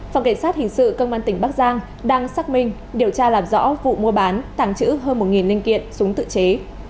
phòng cảnh sát hình sự công an tỉnh bắc giang đang xác minh điều tra làm rõ vụ mua bán tàng trữ hơn một linh kiện súng tự chế